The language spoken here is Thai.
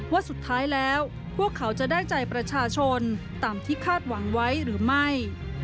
ว่าสุดท้ายแล้วพวกเขาจะได้ใจประชาชนตามที่คาดหวังไว้หรือไม่